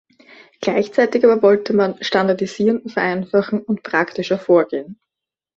Gleichzeitig aber wollte man standardisieren, vereinfachen und praktischer vorgehen.